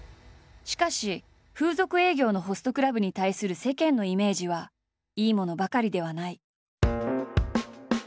しかし風俗営業のホストクラブに対する世間のイメージはいいものばかりではない。